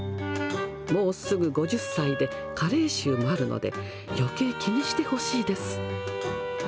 もうすぐ５０歳で、加齢臭もあるので、よけい気にしてほしいです。